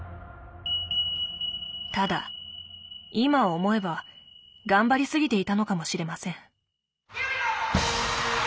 ただ今思えば頑張りすぎていたのかもしれません。